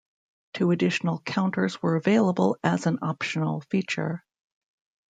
Two additional counters were available as an optional feature.